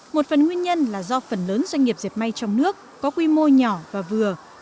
một phần nguyên nhân là do phần lớn doanh nghiệp dẹp may trong nước có quy mô nhỏ và vừa